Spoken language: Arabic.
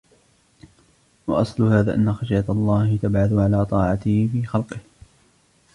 وَأَصْلُ هَذَا أَنَّ خَشْيَةَ اللَّهِ تَبْعَثُ عَلَى طَاعَتِهِ فِي خَلْقِهِ